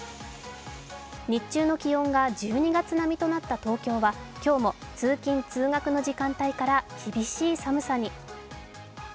日中の気温が１２月並みとなった東京は今日も通勤・通学の時間帯から厳しい寒さに。